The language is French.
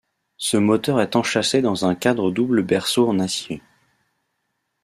Ce moteur est enchâssé dans un cadre double berceau en acier.